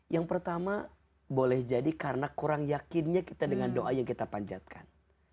yang pertama boleh jadi karena kurang yakinnya kita dengan doa yang kita panjatkan